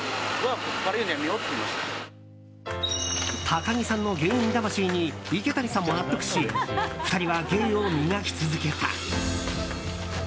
高木さんの芸人魂に池谷さんも納得し２人は、芸を磨き続けた。